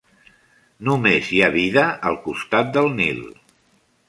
Només hi ha vida al costat del Nil.